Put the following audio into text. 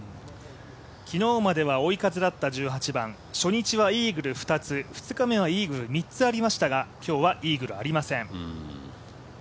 昨日までは追い風だった１８番、初日はイーグル２つ、２日目はイーグル３つありましたが、今日はイーグルありません。